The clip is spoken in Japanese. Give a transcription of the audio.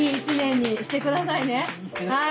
はい。